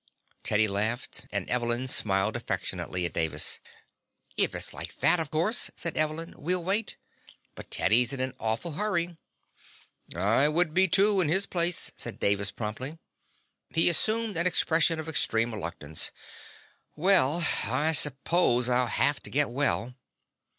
Teddy laughed, and Evelyn smiled affectionately at Davis. "If it's like that, of course," said Evelyn, "we'll wait. But Teddy's in an awful hurry." "I would be, too, in his place," said Davis promptly. He assumed an expression of extreme reluctance. "Well, I suppose I'll have to get well."